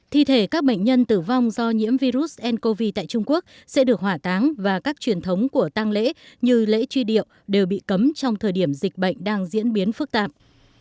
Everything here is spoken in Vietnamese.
thi thể các bệnh nhân tử vong do nhiễm virus ncov tại trung quốc sẽ được hỏa táng và các truyền thống của tăng lễ như lễ truy điệu đều bị cấm trong thời điểm dịch bệnh đang diễn biến phức tạp